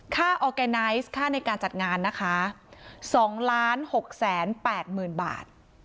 ค่าค่าในการจัดงานนะคะสองล้านหกแสนแปดหมื่นบาท